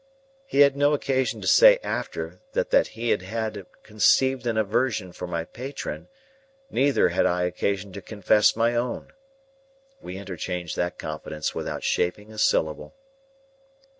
He had no occasion to say after that that he had conceived an aversion for my patron, neither had I occasion to confess my own. We interchanged that confidence without shaping a syllable.